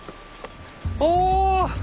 お！